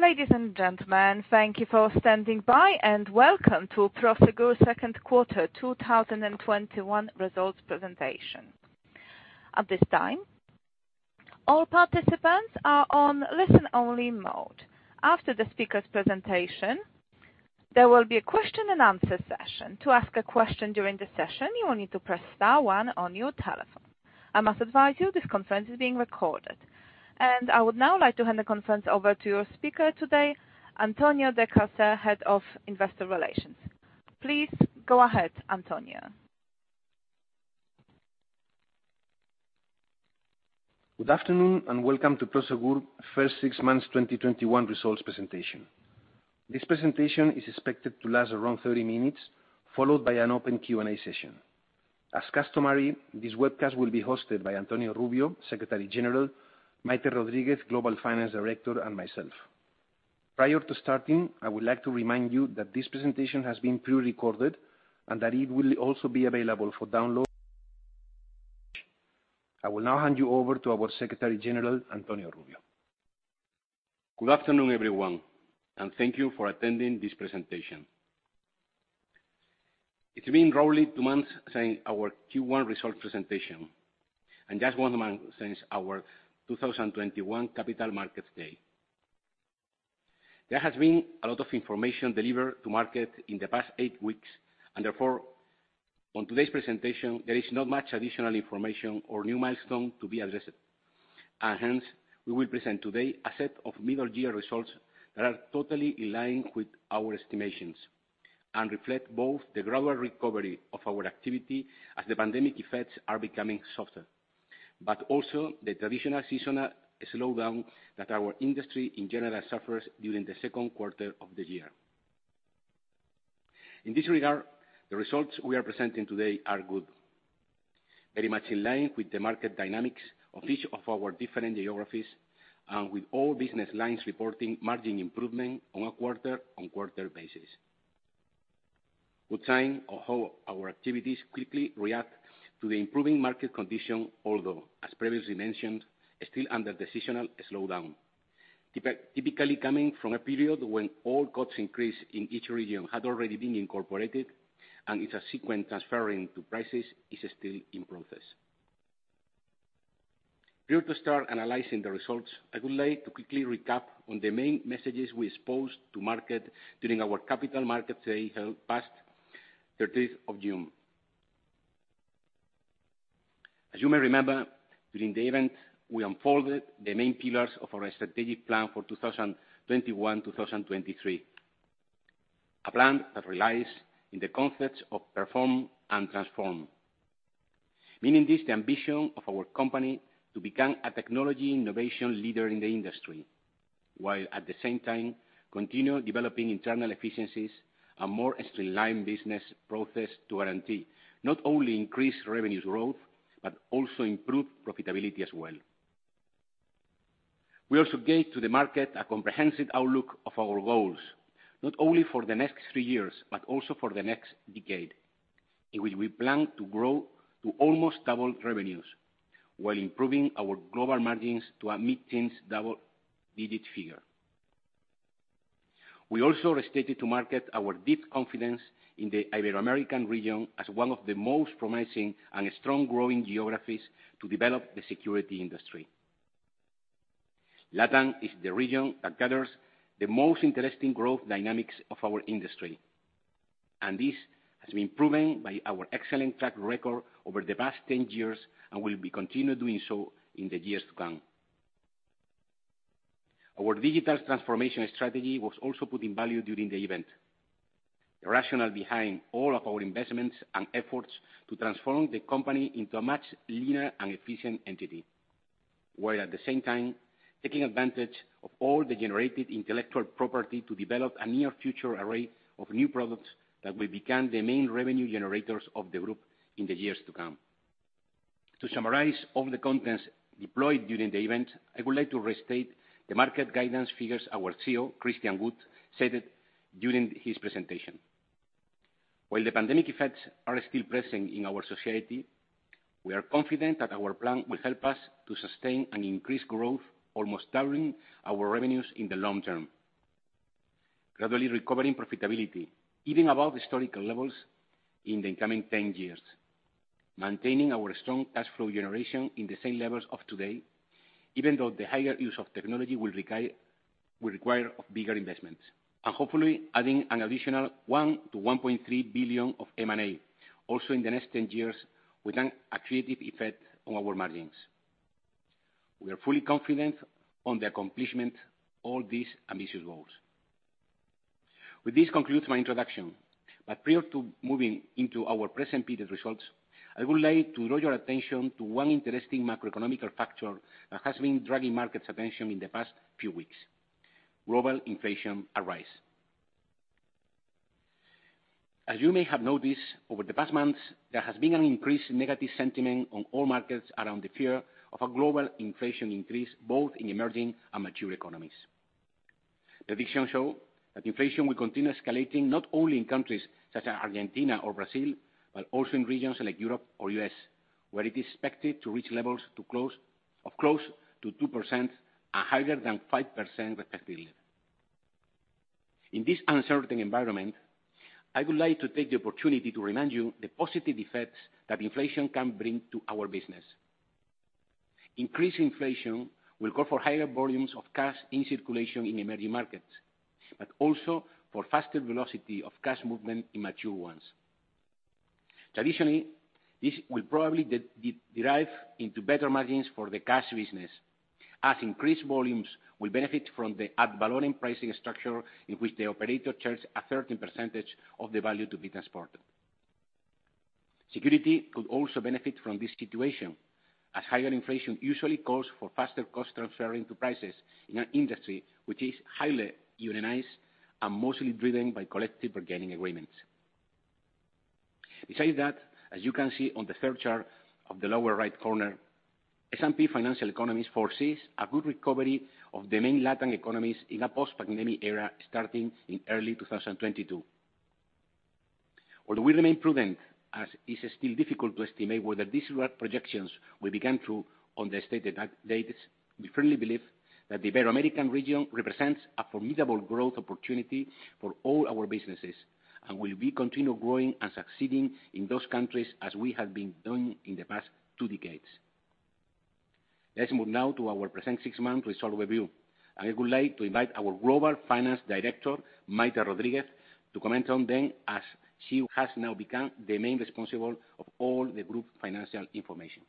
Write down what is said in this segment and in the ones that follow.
Ladies and gentlemen, thank you for standing by, and welcome to Prosegur second quarter 2021 results presentation. At this time ,all participants are in listen-only mode. Following the speakers' prepared remarks, they will be a question and answer session. To ask a question during a session, please press star one on your telephone keypad. Please note that today's conference is being recorded. I would now like to hand the conference over to your speaker today, Antonio De-Cárcer, Head of Investor Relations. Please go ahead, Antonio. Good afternoon, welcome to Prosegur first six months 2021 results presentation. This presentation is expected to last around 30 minutes, followed by an open Q&A session. As customary, this webcast will be hosted by Antonio Rubio, Secretary General, Maite Rodríguez, Global Finance Director, and myself. Prior to starting, I would like to remind you that this presentation has been pre-recorded, and that it will also be available for download. I will now hand you over to our Secretary General, Antonio Rubio. Good afternoon, everyone, and thank you for attending this presentation. It's been roughly two months since our Q1 result presentation, and just one month since our 2021 Capital Markets Day. There has been a lot of information delivered to market in the past eight weeks, and therefore, on today's presentation, there is not much additional information or new milestone to be addressed. Hence, we will present today a set of middle-year results that are totally in line with our estimations and reflect both the gradual recovery of our activity as the pandemic effects are becoming softer, but also the traditional seasonal slowdown that our industry in general suffers during the second quarter of the year. In this regard, the results we are presenting today are good. Very much in line with the market dynamics of each of our different geographies and with all business lines reporting margin improvement on a quarter-on-quarter basis. Good sign of how our activities quickly react to the improving market condition, although, as previously mentioned, still under decisional slowdown. Typically coming from a period when all costs increase in each region had already been incorporated and its subsequent transferring to prices is still in process. Prior to start analyzing the results, I would like to quickly recap on the main messages we exposed to market during our Capital Markets Day held past 30th of June. As you may remember, during the event, we unfolded the main pillars of our strategic plan for 2021-2023. A plan that relies on the concepts of perform and transform. Meaning this, the ambition of our company to become a technology innovation leader in the industry, while at the same time, continue developing internal efficiencies and more streamlined business process to guarantee not only increased revenues growth, but also improve profitability as well. We also gave to the market a comprehensive outlook of our goals, not only for the next three years, but also for the next decade. In which we plan to grow to almost double revenues while improving our global margins to a mid-teen double-digit figure. We also restated to market our deep confidence in the Ibero-American region as one of the most promising and strong growing geographies to develop the security industry. LATAM is the region that gathers the most interesting growth dynamics of our industry, and this has been proven by our excellent track record over the past 10 years and will be continued doing so in the years to come. Our digital transformation strategy was also put in value during the event. The rationale behind all of our investments and efforts to transform the company into a much leaner and efficient entity, while at the same time, taking advantage of all the generated intellectual property to develop a near future array of new products that will become the main revenue generators of the group in the years to come. To summarize all the contents deployed during the event, I would like to restate the market guidance figures our CEO, Christian Gut, stated during his presentation. While the pandemic effects are still present in our society, we are confident that our plan will help us to sustain and increase growth, almost doubling our revenues in the long term. Gradually recovering profitability, even above historical levels, in the coming 10 years. Maintaining our strong cash flow generation in the same levels of today, even though the higher use of technology will require bigger investments. Hopefully adding an additional 1 billion-1.3 billion of M&A, also in the next 10 years, with an accretive effect on our margins. We are fully confident on the accomplishment all these ambitious goals. With this concludes my introduction, prior to moving into our present period results, I would like to draw your attention to one interesting macroeconomic factor that has been dragging market's attention in the past few weeks. Global inflation arise. As you may have noticed, over the past months, there has been an increased negative sentiment on all markets around the fear of a global inflation increase, both in emerging and mature economies. The vision shows that inflation will continue escalating, not only in countries such as Argentina or Brazil, but also in regions like Europe or U.S., where it is expected to reach levels of close to 2% and higher than 5% respectively. In this uncertain environment, I would like to take the opportunity to remind you the positive effects that inflation can bring to our business. Increased inflation will call for higher volumes of cash in circulation in emerging markets, but also for faster velocity of cash movement in mature ones. Traditionally, this will probably derive into better margins for the cash business, as increased volumes will benefit from the ad valorem pricing structure in which the operator charges a certain percentage of the value to be transported. Security could also benefit from this situation, as higher inflation usually calls for faster cost transfer into prices in an industry which is highly unionized and mostly driven by collective bargaining agreements. Besides that, as you can see on the third chart of the lower right corner, S&P Global foresees a good recovery of the main Latin economies in a post-pandemic era starting in early 2022. Although we remain prudent, as it is still difficult to estimate whether these projections will become true on the stated updates, we firmly believe that the American region represents a formidable growth opportunity for all our businesses, and will continue growing and succeeding in those countries as we have been doing in the past two decades. Let's move now to our present six months result review. I would like to invite our Global Finance Director, Maite Rodríguez, to comment on them as she has now become the main responsible of all the group financial information.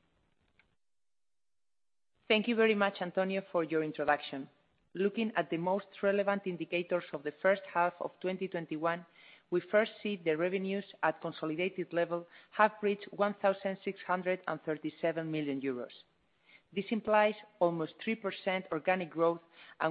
Thank you very much, Antonio, for your introduction. Looking at the most relevant indicators of the first half of 2021, we see the revenues at consolidated level have reached 1,637 million euros. This implies almost 3% organic growth.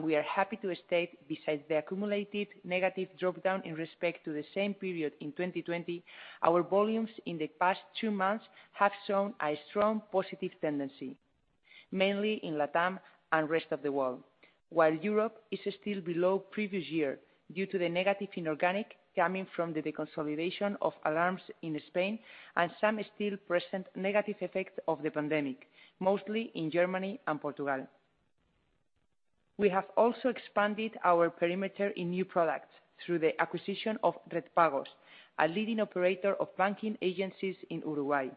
We are happy to state, besides the accumulated negative drop-down in respect to the same period in 2020, our volumes in the past two months have shown a strong positive tendency, mainly in LATAM and rest of the world, while Europe is still below previous year due to the negative inorganic coming from the deconsolidation of alarms in Spain and some still present negative effects of the pandemic, mostly in Germany and Portugal. We have also expanded our perimeter in new products through the acquisition of Redpagos, a leading operator of banking agencies in Uruguay.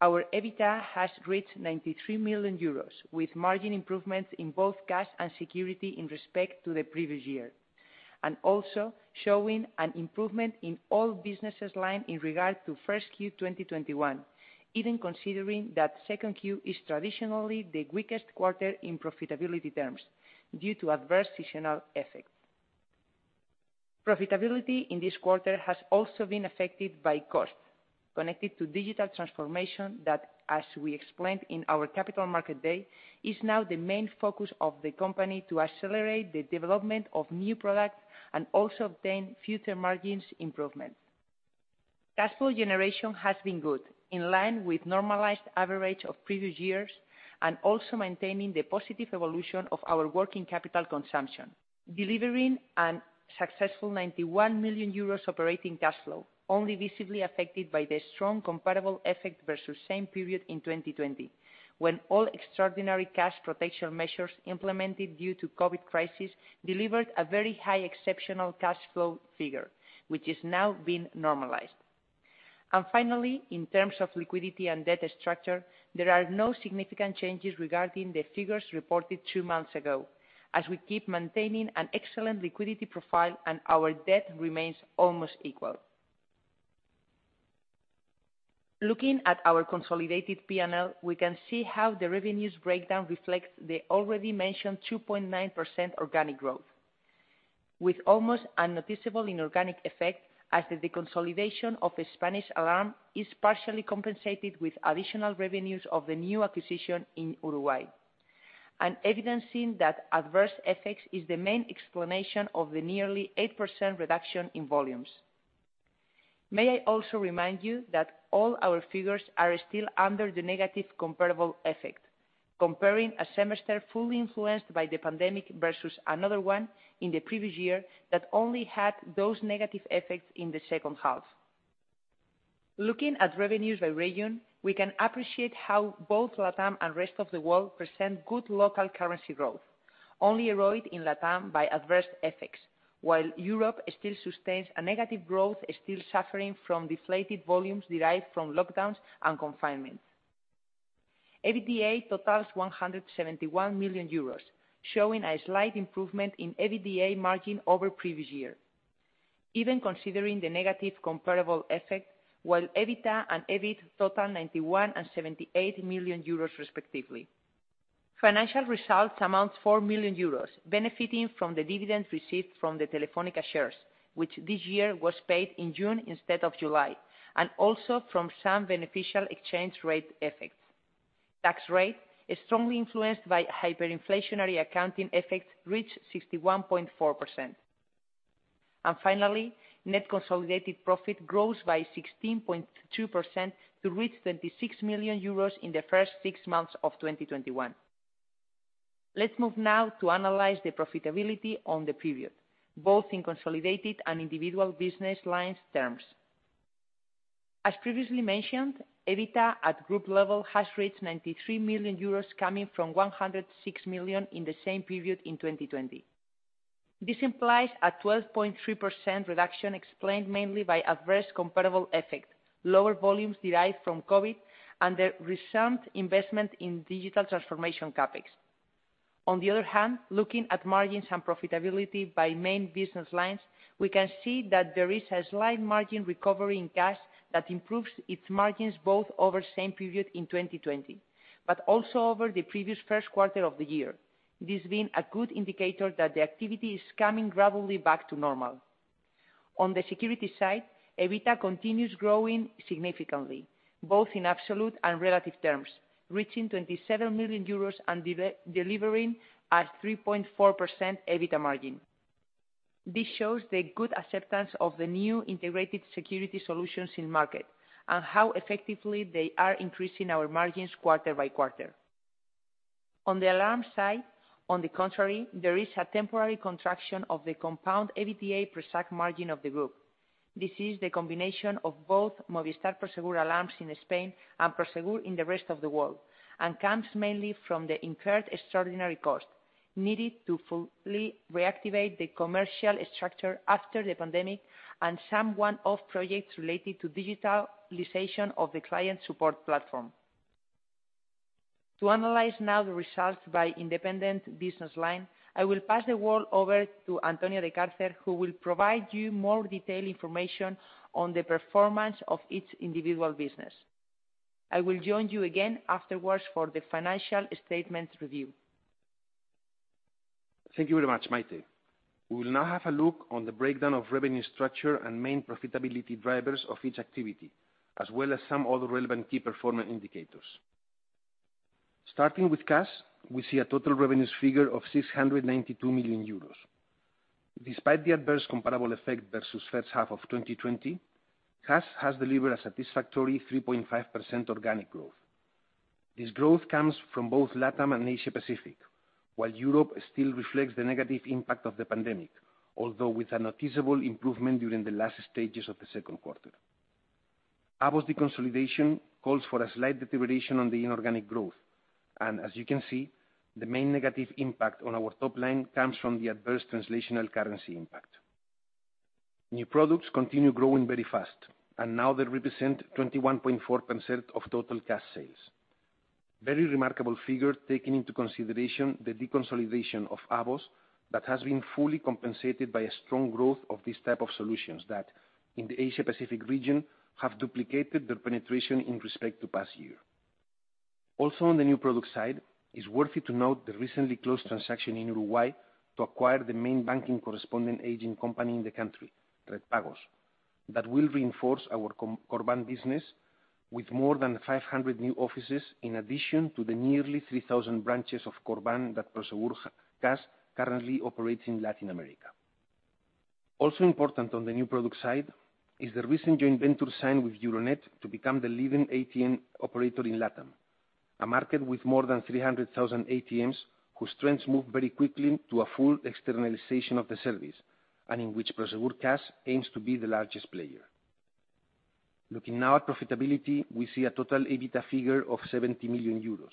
Our EBITDA has reached 93 million euros, with margin improvements in both cash and security in respect to the previous year, and also showing an improvement in all business lines in regard to first Q 2021, even considering that second Q is traditionally the weakest quarter in profitability terms due to adverse seasonal effects. Profitability in this quarter has also been affected by costs connected to digital transformation that, as we explained in our Capital Markets Day, is now the main focus of the company to accelerate the development of new products and also obtain future margins improvement. Cash flow generation has been good, in line with normalized average of previous years, and also maintaining the positive evolution of our working capital consumption, delivering a successful 91 million euros operating cash flow, only visibly affected by the strong comparable effect versus same period in 2020, when all extraordinary cash protection measures implemented due to COVID crisis delivered a very high exceptional cash flow figure, which is now being normalized. Finally, in terms of liquidity and debt structure, there are no significant changes regarding the figures reported two months ago, as we keep maintaining an excellent liquidity profile and our debt remains almost equal. Looking at our consolidated P&L, we can see how the revenues breakdown reflects the already mentioned 2.9% organic growth, with almost unnoticeable inorganic effect as the deconsolidation of the Spanish alarm is partially compensated with additional revenues of the new acquisition in Uruguay, evidencing that adverse effects is the main explanation of the nearly 8% reduction in volumes. May I also remind you that all our figures are still under the negative comparable effect, comparing a semester fully influenced by the pandemic versus another one in the previous year that only had those negative effects in the second half. Looking at revenues by region, we can appreciate how both LATAM and rest of the world present good local currency growth, only erode in LATAM by adverse effects, while Europe still sustains a negative growth, still suffering from deflated volumes derived from lockdowns and confinements. EBITDA totals 171 million euros, showing a slight improvement in EBITDA margin over previous year, even considering the negative comparable effect, while EBITDA and EBIT total 91 million and 78 million euros respectively. Financial results amount 4 million euros, benefiting from the dividends received from the Telefónica shares, which this year was paid in June instead of July, and also from some beneficial exchange rate effects. Tax rate is strongly influenced by hyperinflationary accounting effects, reached 61.4%. Finally, net consolidated profit grows by 16.2% to reach 26 million euros in the first six months of 2021. Let's move now to analyze the profitability on the period, both in consolidated and individual business lines terms. As previously mentioned, EBITDA at group level has reached 93 million euros, coming from 106 million in the same period in 2020. This implies a 12.3% reduction explained mainly by adverse comparable effect, lower volumes derived from COVID, and the recent investment in digital transformation CapEx. On the other hand, looking at margins and profitability by main business lines, we can see that there is a slight margin recovery in Cash that improves its margins both over the same period in 2020, but also over the previous first quarter of the year. This being a good indicator that the activity is coming gradually back to normal. On the security side, EBITDA continues growing significantly, both in absolute and relative terms, reaching 27 million euros and delivering a 3.4% EBITDA margin. This shows the good acceptance of the new integrated security solutions in market and how effectively they are increasing our margins quarter by quarter. On the alarm side, on the contrary, there is a temporary contraction of the compound EBITDA per-SAC margin of the group. This is the combination of both Movistar Prosegur Alarmas in Spain and Prosegur in the rest of the world, and comes mainly from the incurred extraordinary cost needed to fully reactivate the commercial structure after the pandemic and some one-off projects related to digitalization of the client support platform. To analyze now the results by independent business line, I will pass the word over to Antonio de Cárcer, who will provide you more detailed information on the performance of each individual business. I will join you again afterwards for the financial statement review. Thank you very much, Maite. We will now have a look on the breakdown of revenue structure and main profitability drivers of each activity, as well as some other relevant key performance indicators. Starting with Cash, we see a total revenues figure of 692 million euros. Despite the adverse comparable effect versus first half of 2020, Cash has delivered a satisfactory 3.5% organic growth. This growth comes from both LATAM and Asia-Pacific, while Europe still reflects the negative impact of the pandemic, although with a noticeable improvement during the last stages of the second quarter. Prosegur AVOS deconsolidation calls for a slight deterioration on the inorganic growth, as you can see, the main negative impact on our top line comes from the adverse translational currency impact. New products continue growing very fast, now they represent 21.4% of total Cash sales. Very remarkable figure, taking into consideration the deconsolidation of Prosegur AVOS that has been fully compensated by a strong growth of this type of solutions that, in the Asia-Pacific region, have duplicated their penetration in respect to last year. On the new product side, it's worthy to note the recently closed transaction in Uruguay to acquire the main banking correspondent agent company in the country, Redpagos. That will reinforce our CORBAN business with more than 500 new offices, in addition to the nearly 3,000 branches of CORBAN that Prosegur Cash currently operates in Latin America. Important on the new product side is the recent joint venture signed with Euronet to become the leading ATM operator in LATAM, a market with more than 300,000 ATMs whose trends move very quickly to a full externalization of the service, and in which Prosegur Cash aims to be the largest player. Looking now at profitability, we see a total EBITDA figure of 70 million euros.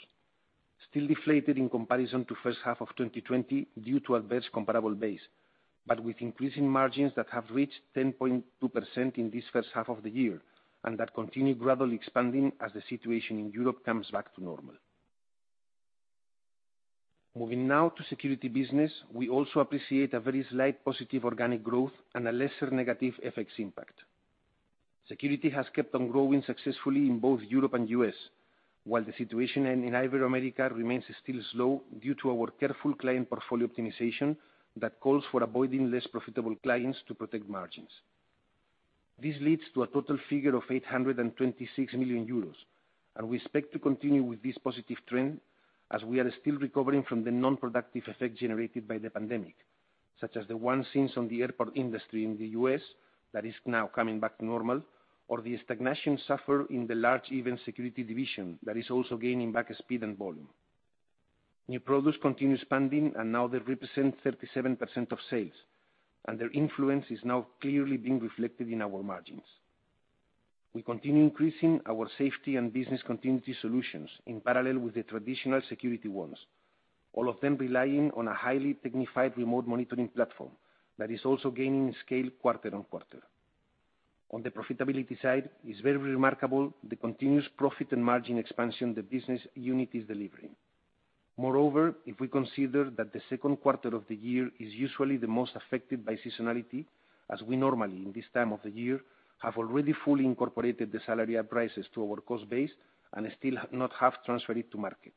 Still deflated in comparison to first half of 2020 due to adverse comparable base, but with increasing margins that have reached 10.2% in this first half of the year. That continue gradually expanding as the situation in Europe comes back to normal. Moving now to security business, we also appreciate a very slight positive organic growth and a lesser negative FX impact. Security has kept on growing successfully in both Europe and U.S., while the situation in Iberoamerica remains still slow due to our careful client portfolio optimization that calls for avoiding less profitable clients to protect margins. This leads to a total figure of 826 million euros. We expect to continue with this positive trend as we are still recovering from the non-productive effect generated by the pandemic, such as the one seen on the airport industry in the U.S. that is now coming back to normal, or the stagnation suffered in the large event security division that is also gaining back speed and volume. New products continue expanding, now they represent 37% of sales. Their influence is now clearly being reflected in our margins. We continue increasing our safety and business continuity solutions in parallel with the traditional security ones, all of them relying on a highly technified remote monitoring platform that is also gaining scale quarter-on-quarter. On the profitability side, it's very remarkable the continuous profit and margin expansion the business unit is delivering. If we consider that the second quarter of the year is usually the most affected by seasonality, as we normally, in this time of the year, have already fully incorporated the salary raises to our cost base and still not have transferred it to market.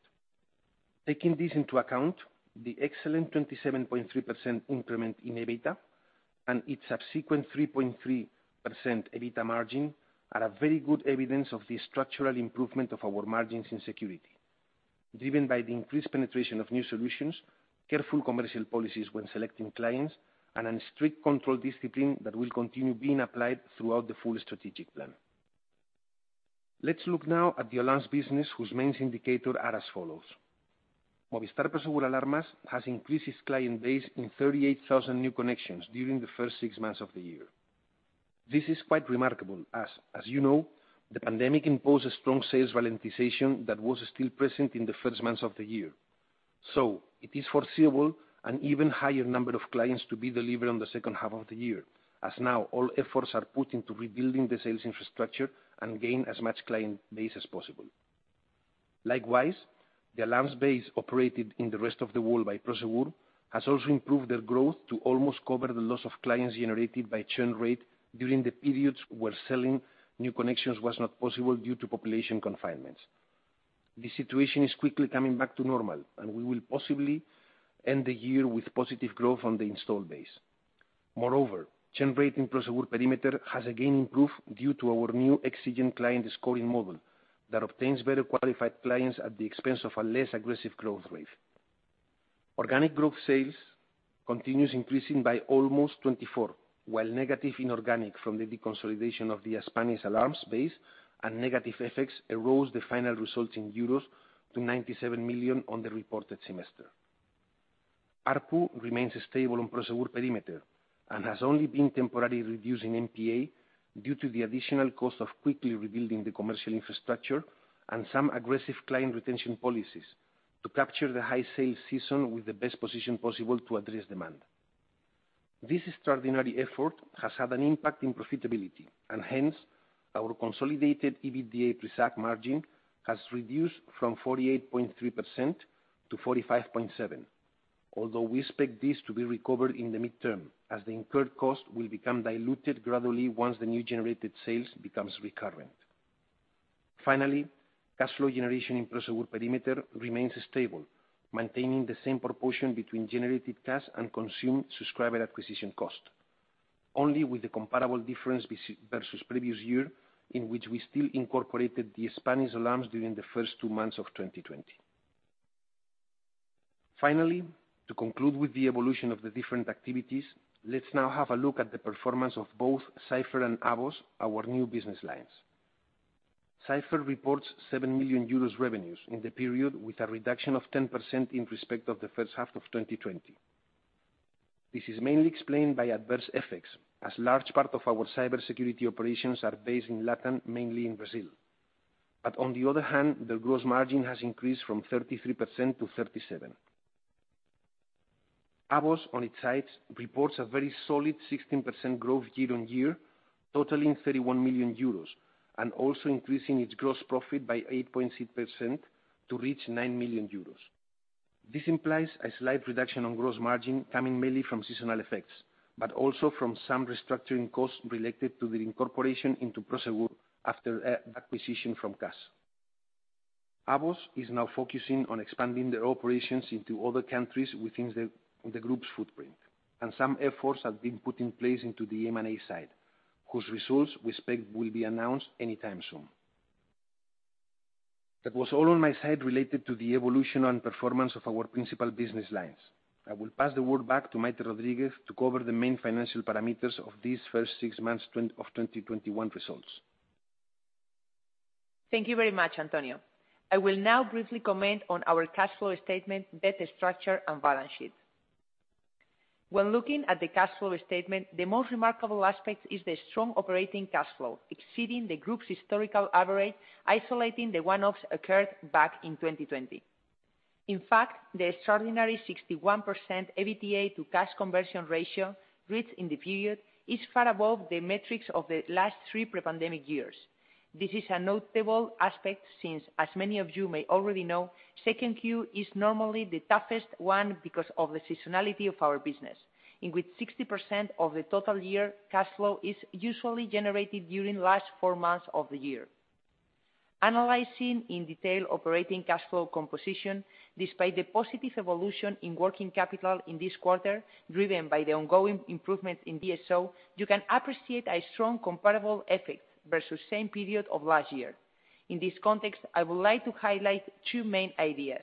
Taking this into account, the excellent 27.3% increment in EBITDA and its subsequent 3.3% EBITDA margin are a very good evidence of the structural improvement of our margins in security, driven by the increased penetration of new solutions, careful commercial policies when selecting clients, and a strict control discipline that will continue being applied throughout the full strategic plan. Let's look now at the alarms business, whose main indicators are as follows. Movistar Prosegur Alarmas has increased its client base in 38,000 new connections during the first six months of the year. This is quite remarkable as you know, the pandemic imposed a strong sales ralentization that was still present in the first months of the year. It is foreseeable an even higher number of clients to be delivered on the second half of the year, as now all efforts are put into rebuilding the sales infrastructure and gain as much client base as possible. Likewise, the alarms base operated in the rest of the world by Prosegur has also improved their growth to almost cover the loss of clients generated by churn rate during the periods where selling new connections was not possible due to population confinements. The situation is quickly coming back to normal, and we will possibly end the year with positive growth on the install base. Churn rate in Prosegur perimeter has again improved due to our new exigent client scoring model that obtains better qualified clients at the expense of a less aggressive growth rate. Organic growth sales continues increasing by almost 24%, while negative inorganic from the deconsolidation of the Hispania's alarms base and negative FX arose the final result in 97 million euros on the reported semester. ARPU remains stable on Prosegur perimeter and has only been temporarily reduced in NPA due to the additional cost of quickly rebuilding the commercial infrastructure and some aggressive client retention policies to capture the high sales season with the best position possible to address demand. This extraordinary effort has had an impact on profitability. Hence, our consolidated EBITDA pre SAC margin has reduced from 48.3%-45.7%. Although we expect this to be recovered in the midterm, as the incurred cost will become diluted gradually once the new generated sales becomes recurrent. Finally, cash flow generation in Prosegur perimeter remains stable, maintaining the same proportion between generated cash and consumed subscriber acquisition cost. Only with the comparable difference versus previous year, in which we still incorporated the Hispania's alarms during the first two months of 2020. Finally, to conclude with the evolution of the different activities, let's now have a look at the performance of both Cipher and AVOS, our new business lines. Cipher reports 7 million euros revenues in the period with a reduction of 10% in respect of the first half of 2020. This is mainly explained by adverse FX, as large part of our cybersecurity operations are based in LATAM, mainly in Brazil. On the other hand, the gross margin has increased from 33%-37%. AVOS, on its side, reports a very solid 16% growth year-on-year, totaling 31 million euros, and also increasing its gross profit by 8.6% to reach 9 million euros. This implies a slight reduction on gross margin coming mainly from seasonal effects, but also from some restructuring costs related to the incorporation into Prosegur after acquisition from CAS. AVOS is now focusing on expanding their operations into other countries within the group's footprint, and some efforts have been put in place into the M&A side, whose results we expect will be announced anytime soon. That was all on my side related to the evolution and performance of our principal business lines. I will pass the word back to Maite Rodríguez to cover the main financial parameters of these first six months of 2021 results. Thank you very much, Antonio de Cárcer. I will now briefly comment on our cash flow statement, debt structure and balance sheet. When looking at the cash flow statement, the most remarkable aspect is the strong operating cash flow, exceeding the group's historical average, isolating the one-offs occurred back in 2020. The extraordinary 61% EBITDA to cash conversion ratio reached in the period is far above the metrics of the last three pre-pandemic years. This is a notable aspect since, as many of you may already know, second Q is normally the toughest one because of the seasonality of our business, in which 60% of the total year cash flow is usually generated during last four months of the year. Analyzing in detail operating cash flow composition, despite the positive evolution in working capital in this quarter, driven by the ongoing improvement in DSO, you can appreciate a strong comparable effect versus same period of last year. In this context, I would like to highlight two main ideas.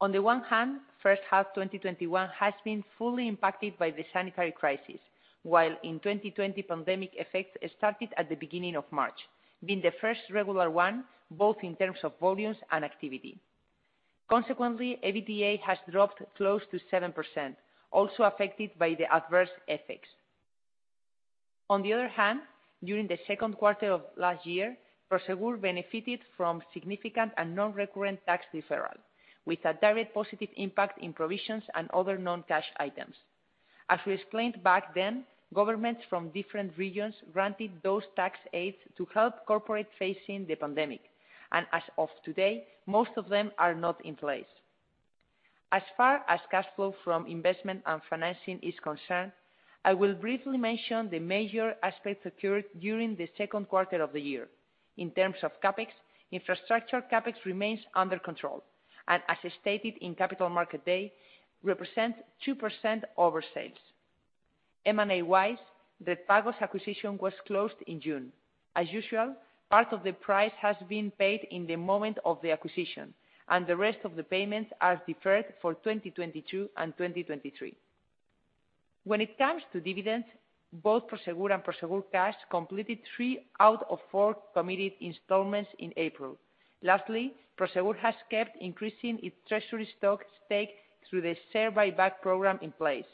On the one hand, first half 2021 has been fully impacted by the sanitary crisis, while in 2020 pandemic effects started at the beginning of March, being the first regular one, both in terms of volumes and activity. Consequently, EBITDA has dropped close to 7%, also affected by the adverse FX. On the other hand, during the second quarter of last year, Prosegur benefited from significant and non-recurrent tax deferral, with a direct positive impact in provisions and other non-cash items. As we explained back then, governments from different regions granted those tax aids to help corporate facing the pandemic. As of today, most of them are not in place. As far as cash flow from investment and financing is concerned, I will briefly mention the major aspects occurred during the second quarter of the year. In terms of CapEx, infrastructure CapEx remains under control, and as stated in Capital Markets Day, represent 2% over sales. M&A-wise, the Redpagos acquisition was closed in June. As usual, part of the price has been paid in the moment of the acquisition, and the rest of the payments are deferred for 2022 and 2023. When it comes to dividends, both Prosegur and Prosegur Cash completed three out of four committed installments in April. Lastly, Prosegur has kept increasing its treasury stock stake through the share buyback program in place.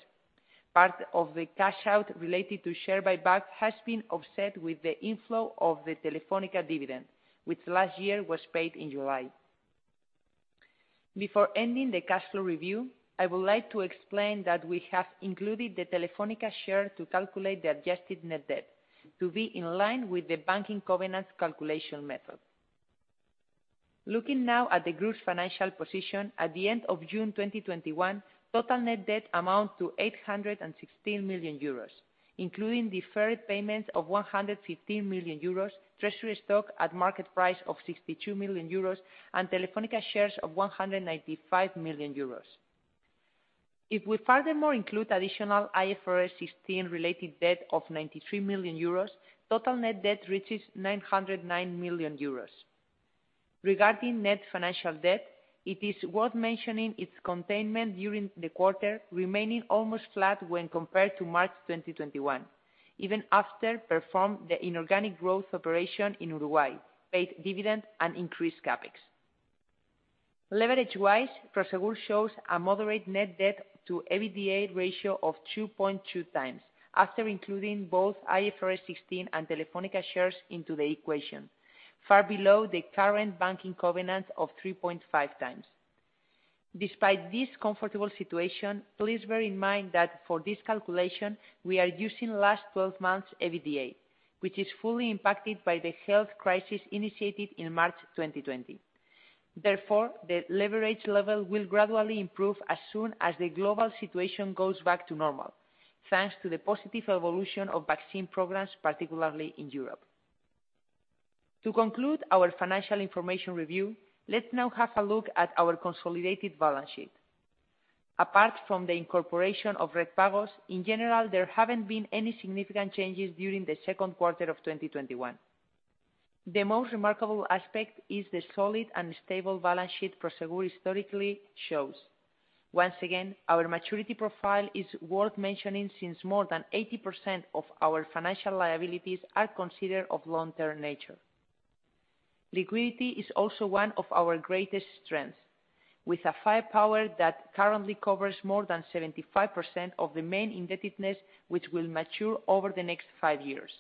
Part of the cash out related to share buyback has been offset with the inflow of the Telefónica dividend, which last year was paid in July. Before ending the cash flow review, I would like to explain that we have included the Telefónica share to calculate the adjusted net debt to be in line with the banking covenant calculation method. Looking now at the group's financial position at the end of June 2021, total net debt amount to 816 million euros, including deferred payments of 115 million euros, treasury stock at market price of 62 million euros and Telefónica shares of 195 million euros. If we furthermore include additional IFRS 16 related debt of 93 million euros, total net debt reaches 909 million euros. Regarding net financial debt, it is worth mentioning its containment during the quarter, remaining almost flat when compared to March 2021, even after perform the inorganic growth operation in Uruguay, paid dividend, and increased CapEx. Leverage-wise, Prosegur shows a moderate net debt to EBITDA ratio of 2.2x after including both IFRS 16 and Telefónica shares into the equation, far below the current banking covenant of 3.5x. Despite this comfortable situation, please bear in mind that for this calculation, we are using last 12 months EBITDA, which is fully impacted by the health crisis initiated in March 2020. Therefore, the leverage level will gradually improve as soon as the global situation goes back to normal, thanks to the positive evolution of vaccine programs, particularly in Europe. To conclude our financial information review, let's now have a look at our consolidated balance sheet. Apart from the incorporation of Redpagos, in general, there haven't been any significant changes during the second quarter of 2021. The most remarkable aspect is the solid and stable balance sheet Prosegur historically shows. Once again, our maturity profile is worth mentioning, since more than 80% of our financial liabilities are considered of long-term nature. Liquidity is also one of our greatest strengths, with a firepower that currently covers more than 75% of the main indebtedness, which will mature over the next five years.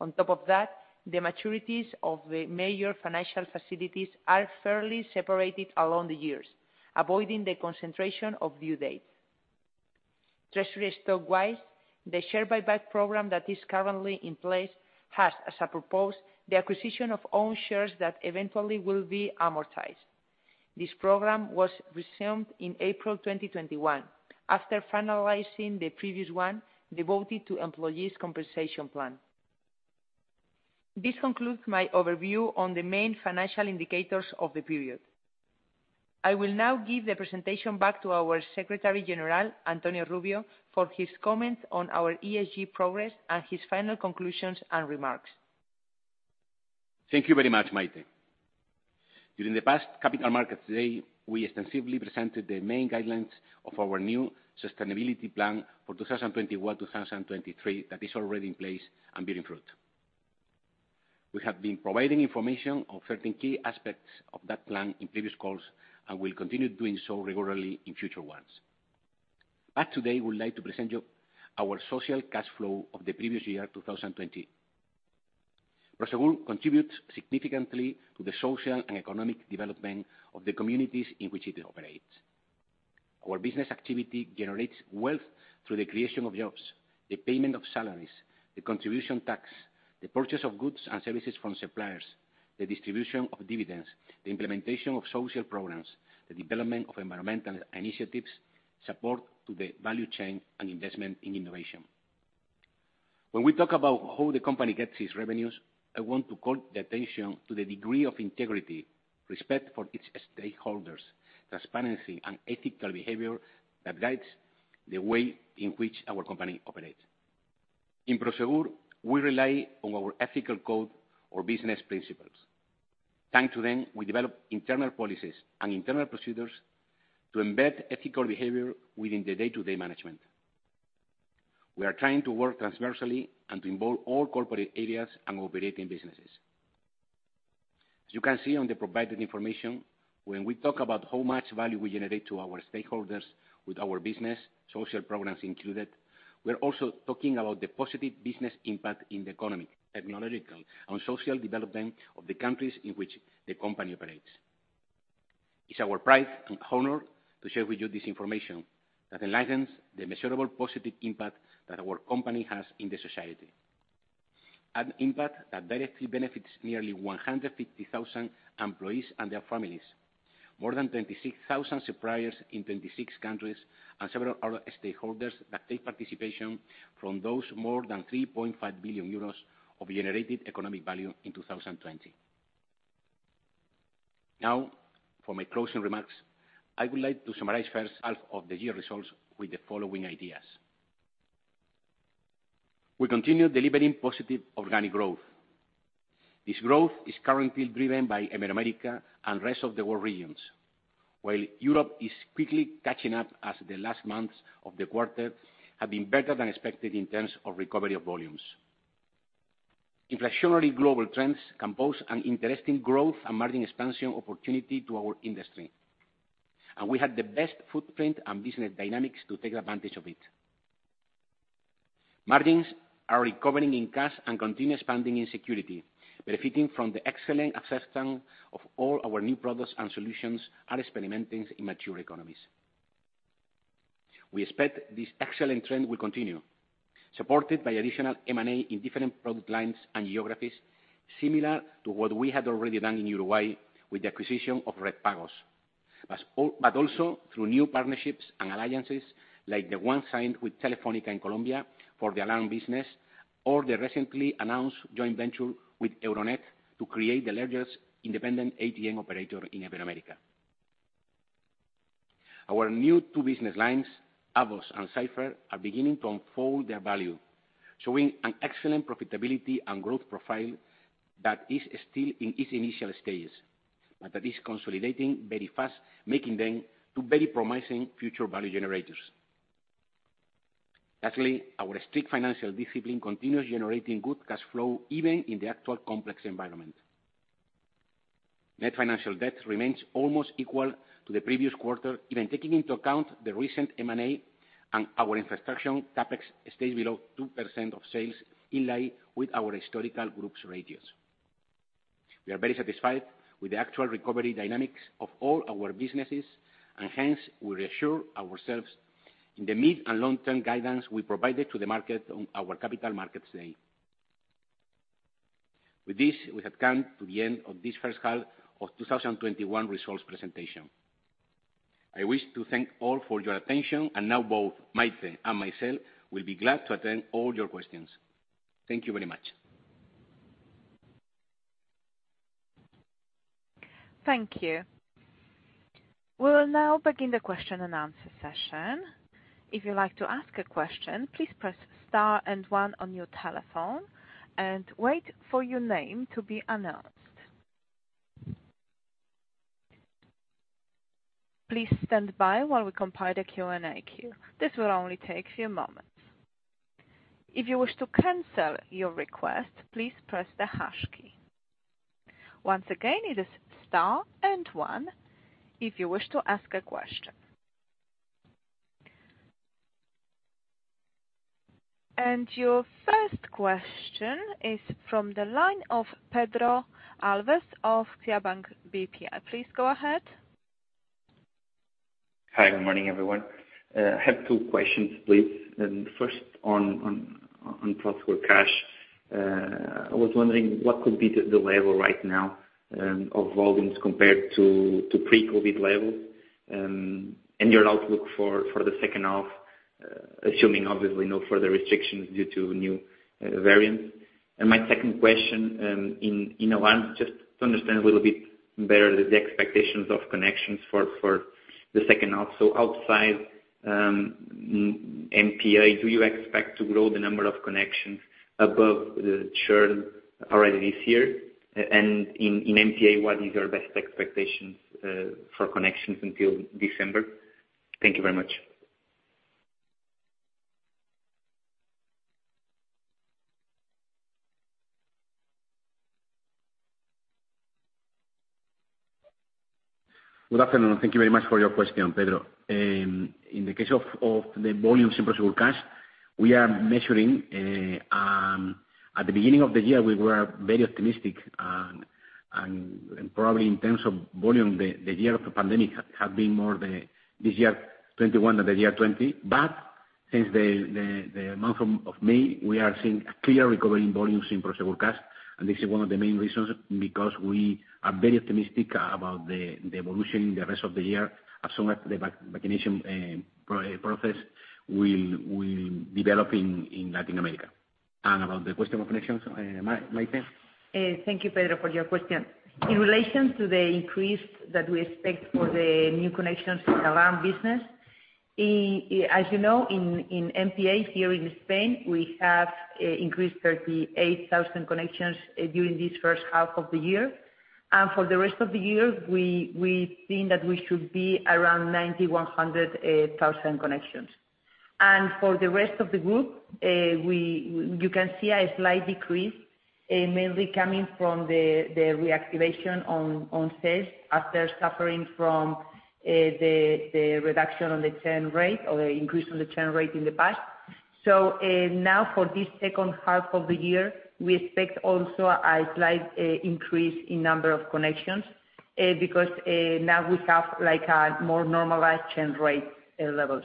On top of that, the maturities of the major financial facilities are fairly separated along the years, avoiding the concentration of due dates. Treasury stock-wise, the share buyback program that is currently in place has, as a purpose, the acquisition of own shares that eventually will be amortized. This program was resumed in April 2021 after finalizing the previous one devoted to employees compensation plan. This concludes my overview on the main financial indicators of the period. I will now give the presentation back to our Secretary General, Antonio Rubio, for his comments on our ESG progress and his final conclusions and remarks. Thank you very much, Maite. During the past Capital Markets Day, we extensively presented the main guidelines of our new sustainability plan for 2021-2023 that is already in place and bearing fruit. We have been providing information on certain key aspects of that plan in previous calls and will continue doing so regularly in future ones. Today, we would like to present you our social cash flow of the previous year, 2020. Prosegur contributes significantly to the social and economic development of the communities in which it operates. Our business activity generates wealth through the creation of jobs, the payment of salaries, the contribution tax, the purchase of goods and services from suppliers, the distribution of dividends, the implementation of social programs, the development of environmental initiatives, support to the value chain, and investment in innovation. When we talk about how the company gets its revenues, I want to call the attention to the degree of integrity, respect for its stakeholders, transparency and ethical behavior that guides the way in which our company operates. In Prosegur, we rely on our ethical code or business principles. Thanks to them, we develop internal policies and internal procedures to embed ethical behavior within the day-to-day management. We are trying to work transversely and to involve all corporate areas and operating businesses. As you can see on the provided information, when we talk about how much value we generate to our stakeholders with our business, social programs included, we are also talking about the positive business impact in the economic, technological, and social development of the countries in which the company operates. It's our pride and honor to share with you this information that enlightens the measurable positive impact that our company has in the society. An impact that directly benefits nearly 150,000 employees and their families, more than 26,000 suppliers in 26 countries, and several other stakeholders that take participation from those more than 3.5 billion euros of generated economic value in 2020. Now, for my closing remarks, I would like to summarize first half of the year results with the following ideas. We continue delivering positive organic growth. This growth is currently driven by Americas and rest of the world regions, while Europe is quickly catching up as the last months of the quarter have been better than expected in terms of recovery of volumes. Inflationary global trends compose an interesting growth and margin expansion opportunity to our industry, and we have the best footprint and business dynamics to take advantage of it. Margins are recovering in cash and continue expanding in security, benefiting from the excellent acceptance of all our new products and solutions are experimenting in mature economies. We expect this excellent trend will continue, supported by additional M&A in different product lines and geographies, similar to what we had already done in Uruguay with the acquisition of Redpagos. Also through new partnerships and alliances like the one signed with Telefónica in Colombia for the alarm business, or the recently announced joint venture with Euronet to create the largest independent ATM operator in America. Our new two business lines, AVOS and Cipher, are beginning to unfold their value, showing an excellent profitability and growth profile that is still in its initial stages, but that is consolidating very fast, making them two very promising future value generators. Lastly, our strict financial discipline continues generating good cash flow, even in the actual complex environment. Net financial debt remains almost equal to the previous quarter, even taking into account the recent M&A and our infrastructure CapEx stays below 2% of sales, in line with our historical group's ratios. We are very satisfied with the actual recovery dynamics of all our businesses, and hence, we reassure ourselves in the mid and long-term guidance we provided to the market on our Capital Markets Day. With this, we have come to the end of this first half of 2021 results presentation. I wish to thank all for your attention, and now both Maite and myself will be glad to attend all your questions. Thank you very much. Thank you. We'll now begin the question and answer session. If you would like to ask the question, please press star and one on your telephone and wait for your name to be announced. Please stand by as we compile the Q&A. This will only take a moment. If you wish to cancel your request, please press the hash key. Once again it is star and one if you wish to ask a question. Your first question is from the line of Pedro Alves of CaixaBank BPI. Please go ahead. Hi. Good morning, everyone. I have two questions, please. First, on Prosegur Cash. I was wondering what could be the level right now of volumes compared to pre-COVID levels, and your outlook for the second half, assuming obviously no further restrictions due to new variants. My second question, in advance, just to understand a little bit better the expectations of connections for the second half. Outside MPA, do you expect to grow the number of connections above the churn already this year? In MPA, what is your best expectations for connections until December? Thank you very much. Good afternoon. Thank you very much for your question, Pedro. In the case of the volumes in Prosegur Cash, we are measuring. At the beginning of the year, we were very optimistic. Probably in terms of volume, the year of the pandemic have been more this year 2021 than the year 2020. Since the month of May, we are seeing a clear recovery in volumes in Prosegur Cash, and this is one of the main reasons because we are very optimistic about the evolution in the rest of the year as soon as the vaccination process will develop in LATAM. About the question of connections, Maite? Thank you, Pedro, for your question. In relation to the increase that we expect for the new connections in alarm business, as you know, in MPAs here in Spain, we have increased 38,000 connections during this first half of the year. For the rest of the year, we think that we should be around 9,100 thousand connections. For the rest of the group, you can see a slight decrease, mainly coming from the reactivation on sales after suffering from the reduction on the churn rate or the increase on the churn rate in the past. Now for this second half of the year, we expect also a slight increase in number of connections, because now we have a more normalized churn rate levels.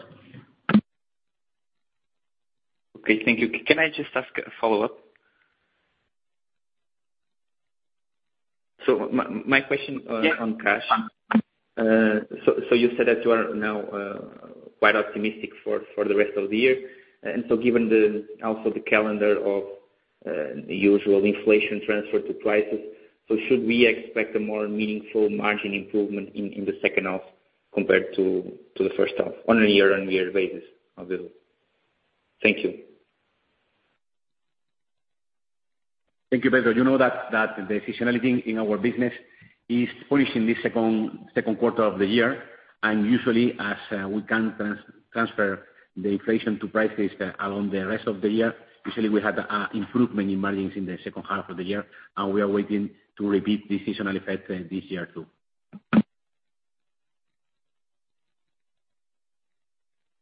Okay, thank you. Can I just ask a follow-up? My question on cash. You said that you are now quite optimistic for the rest of the year. Given also the calendar of the usual inflation transfer to prices, should we expect a more meaningful margin improvement in the second half compared to the first half on a year-on-year basis? Thank you. Thank you, Pedro. You know that the seasonality in our business is bullish in the second quarter of the year, and usually as we can transfer the inflation to prices along the rest of the year, usually we have improvement in margins in the second half of the year. We are waiting to repeat the seasonal effect this year, too.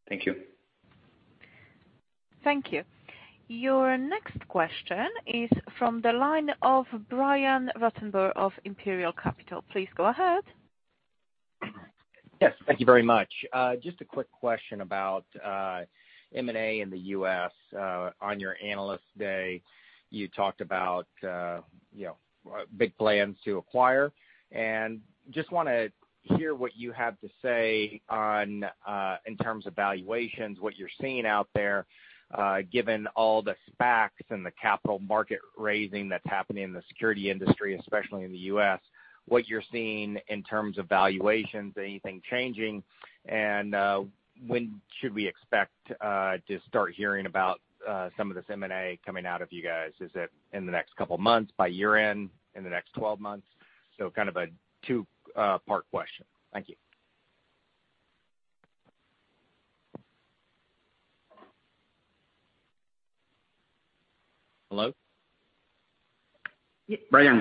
Thank you. Thank you. Your next question is from the line of Brian Ruttenbur of Imperial Capital. Please go ahead. Yes. Thank you very much. A quick question about M&A in the U.S. On your Capital Markets Day, you talked about big plans to acquire, want to hear what you have to say in terms of valuations, what you're seeing out there, given all the SPACs and the capital market raising that's happening in the security industry, especially in the U.S., what you're seeing in terms of valuations, anything changing, and when should we expect to start hearing about some of this M&A coming out of you guys? Is it in the next couple of months, by year-end, in the next 12 months? Kind of a two-part question. Thank you. Brian,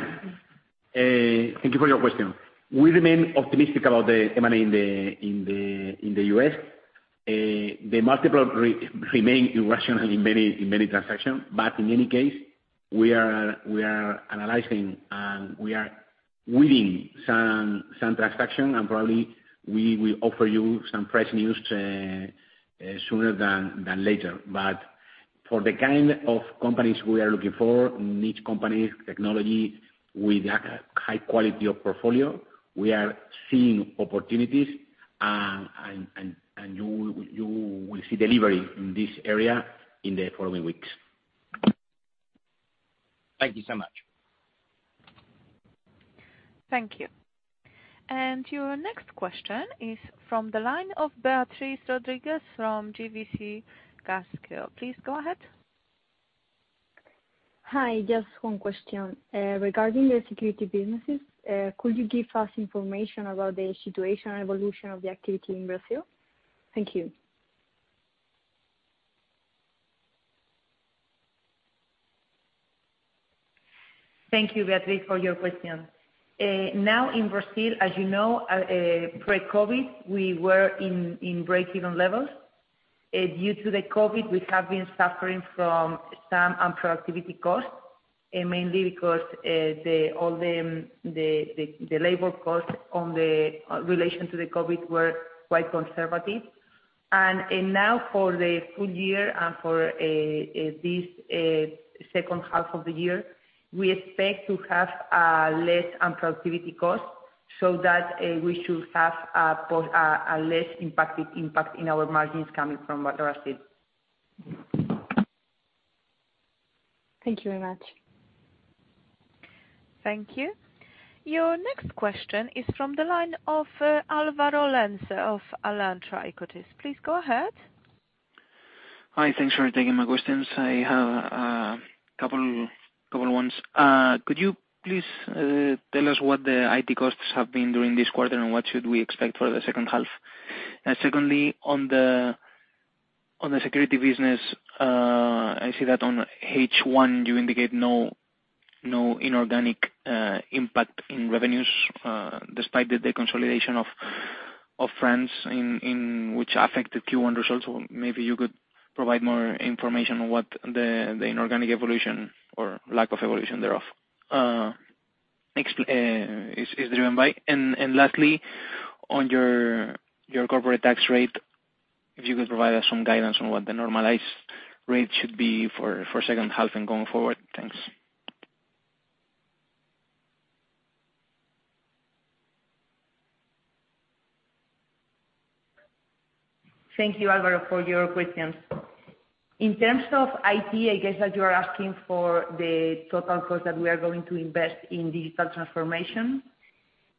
thank you for your question. We remain optimistic about the M&A in the U.S. The multiple remain irrational in many transactions. In any case, we are analyzing, and we are winning some transaction, and probably we will offer you some fresh news sooner than later. For the kind of companies we are looking for, niche companies, technology with high quality of portfolio, we are seeing opportunities, and you will see delivery in this area in the following weeks. Thank you so much. Thank you. Your next question is from the line of Beatriz Rodríguez from GVC Gaesco. Please go ahead. Hi. Just one question. Regarding the security businesses, could you give us information about the situation evolution of the activity in Brazil? Thank you. Thank you, Beatriz, for your question. In Brazil, as you know, pre-COVID, we were in break-even levels. Due to the COVID, we have been suffering from some unproductivity costs, mainly because all the labor costs on the relation to the COVID were quite conservative. Now for the full year and for this second half of the year, we expect to have less unproductivity costs so that we should have a less impact in our margins coming from Brazil. Thank you very much. Thank you. Your next question is from the line of Alvaro Lenza of Alantra Equities. Please go ahead. Hi. Thanks for taking my questions. I have a couple ones. Could you please tell us what the IT costs have been during this quarter, and what should we expect for the second half? Secondly, on the security business, I see that on H1, you indicate no inorganic impact in revenues, despite the consolidation of France, which affected Q1 results. Maybe you could provide more information on what the inorganic evolution or lack of evolution thereof is driven by. Lastly, on your corporate tax rate, if you could provide us some guidance on what the normalized rate should be for second half and going forward. Thanks. Thank you, Alvaro, for your questions. In terms of IT, I guess that you are asking for the total cost that we are going to invest in digital transformation.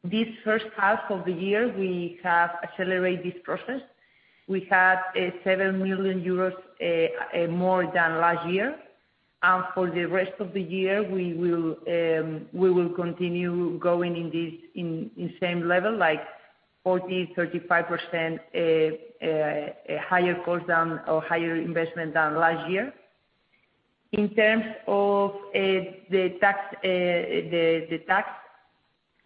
This first half of the year, we have accelerated this process. We had 7 million euros more than last year. For the rest of the year, we will continue going in same level, like 40%, 45% higher investment than last year. In terms of the tax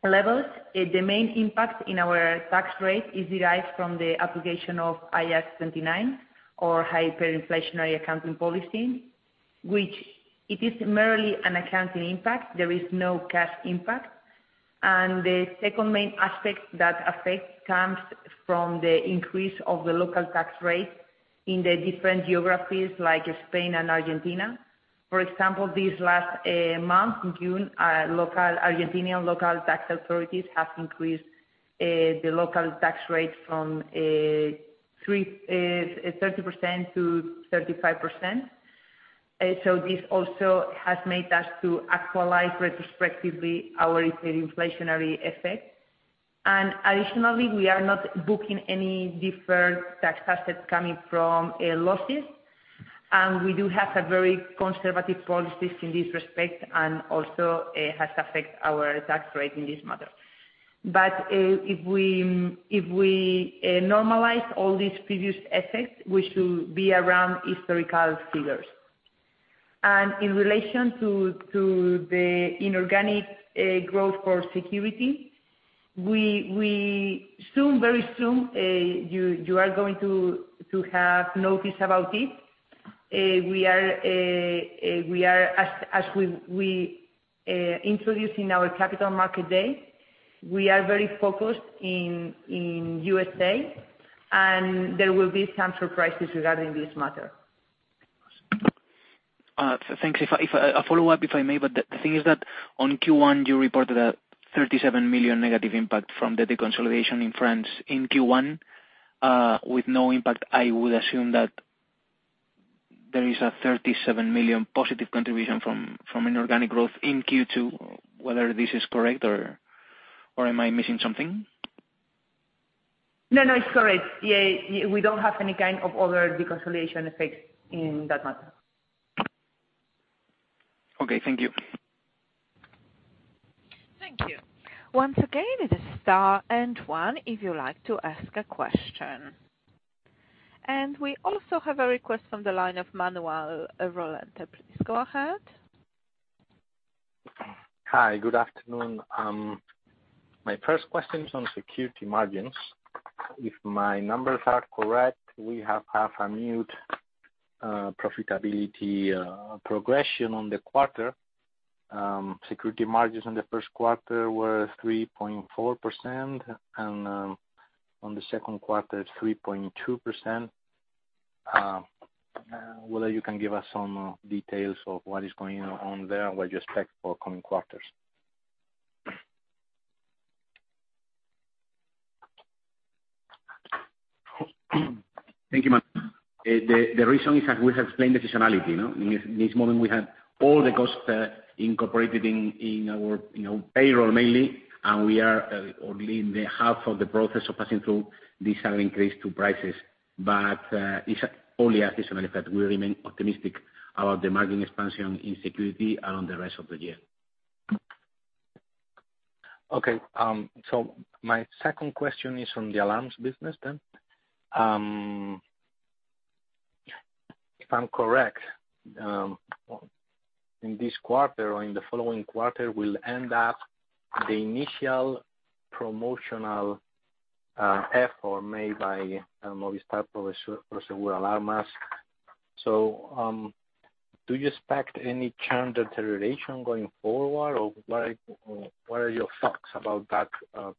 levels, the main impact in our tax rate is derived from the application of IAS 29 or hyperinflationary accounting policy, which it is merely an accounting impact. There is no cash impact. The second main aspect that affects comes from the increase of the local tax rate in the different geographies, like Spain and Argentina. For example, this last month, in June, Argentinian local tax authorities have increased the local tax rate from 30%-35%. This also has made us to actualize retrospectively our inflationary effect. Additionally, we are not booking any deferred tax assets coming from losses. We do have a very conservative policies in this respect, and also it has affect our tax rate in this matter. If we normalize all these previous effects, we should be around historical figures. In relation to the inorganic growth for security, we soon, very soon, you are going to have notice about it. As we introduce in our Capital Markets Day, we are very focused in USA. There will be some surprises regarding this matter. Thanks. A follow-up, if I may, but the thing is that on Q1, you reported a 37 million negative impact from the deconsolidation in France in Q1, with no impact. I would assume that there is a 37 million positive contribution from inorganic growth in Q2. Whether this is correct, or am I missing something? No, it is correct. We do not have any kind of other deconsolidation effects in that matter. Okay. Thank you. Thank you. Once again, it is star and one if you'd like to ask a question. We also have a request from the line of Manuel Lorente. Please go ahead. Hi, good afternoon. My first question is on security margins. If my numbers are correct, we have a muted profitability progression on the quarter. Security margins in the first quarter were 3.4%, and on the second quarter, it's 3.2%. Whether you can give us some details of what is going on there, what you expect for coming quarters? Thank you, Manuel. The reason is that we have explained the seasonality. In this moment, we have all the costs incorporated in our payroll mainly, and we are only in the half of the process of passing through this slight increase to prices. It's only a seasonal effect. We remain optimistic about the margin expansion in security around the rest of the year. Okay. My second question is on the alarms business then. If I'm correct, in this quarter or in the following quarter will end up the initial promotional effort made by Movistar Prosegur Alarmas. Do you expect any churn deterioration going forward, or what are your thoughts about that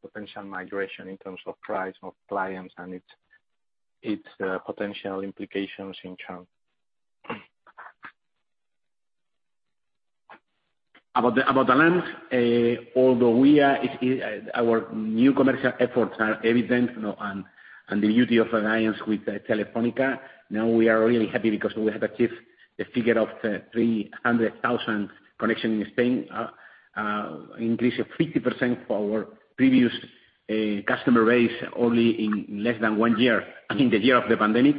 potential migration in terms of price of clients and its potential implications in churn? About alarms, although our new commercial efforts are evident, and the beauty of alliance with Telefónica, now we are really happy because we have achieved a figure of 300,000 connection in Spain, increase of 50% for our previous customer base only in less than one year, in the year of the pandemic.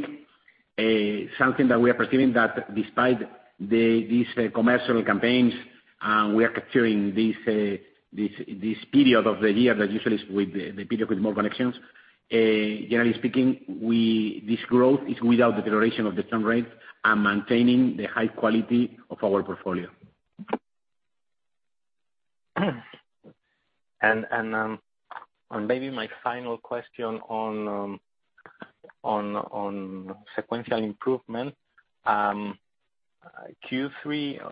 Something that we are perceiving that despite these commercial campaigns, we are capturing this period of the year that usually is the period with more connections. Generally speaking, this growth is without deterioration of the churn rate and maintaining the high quality of our portfolio. Maybe my final question on sequential improvement. Q3,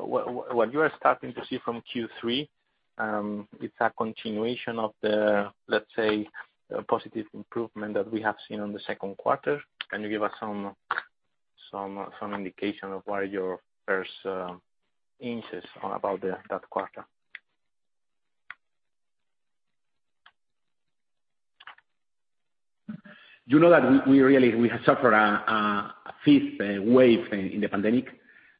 what you are starting to see from Q3, it's a continuation of the, let's say, positive improvement that we have seen on the second quarter? Can you give us some indication of what are your first insights about that quarter? You know that we really have suffered a fifth wave in the pandemic.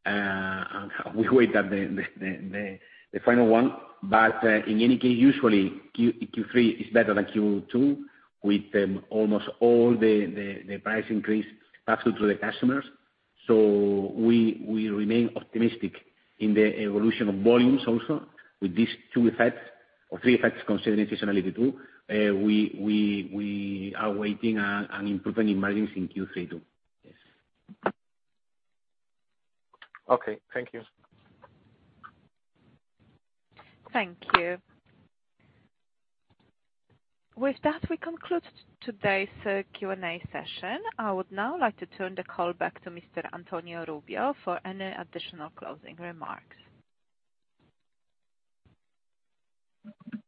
We wait at the final one. In any case, usually Q3 is better than Q2, with almost all the price increase passed through to the customers. We remain optimistic in the evolution of volumes also with these two effects or three effects considering seasonality too. We are waiting an improvement in margins in Q3 too. Yes. Okay. Thank you. Thank you. With that, we conclude today's Q&A session. I would now like to turn the call back to Mr. Antonio Rubio for any additional closing remarks.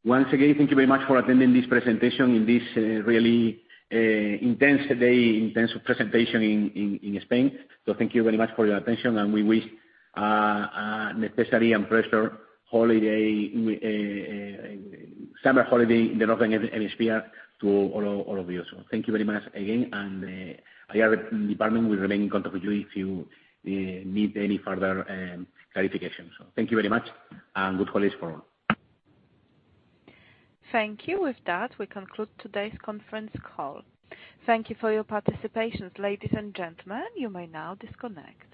Once again, thank you very much for attending this presentation in this really intense day, intense presentation in Spain. Thank you very much for your attention, we wish necessary and pleasant summer holiday in the northern hemisphere to all of you. Thank you very much again, the IR department will remain in contact with you if you need any further clarification. Thank you very much, good holidays for all. Thank you. With that, we conclude today's conference call. Thank you for your participation. Ladies and gentlemen, you may now disconnect.